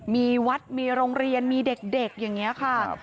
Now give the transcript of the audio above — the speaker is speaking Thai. มีวัดมีโรงเรียนมีเด็กอย่างนี้ค่ะ